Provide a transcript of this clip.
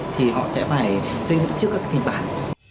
thì họ sẽ phải xây dựng trước các cái kết bản